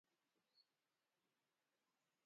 La migdiada del canonge.